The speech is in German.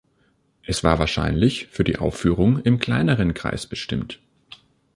Es war wahrscheinlich für die Aufführung im kleineren Kreis bestimmt.